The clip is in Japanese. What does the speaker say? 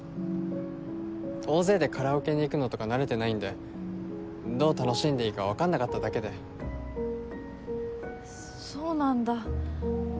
大勢でカラオケに行くのとか慣れてないんでどう楽しんでいいか分かんなかっただけでそうなんだ